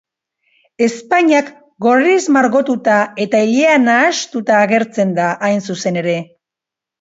Ezpainak gorriz margotuta eta ilea nahastuta agertzen da, hain zuzen ere.